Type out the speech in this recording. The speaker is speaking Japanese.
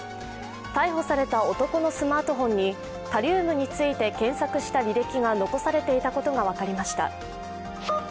逮捕された男のスマートフォンにタリウムについて検索した履歴が残されていたことが分かりました。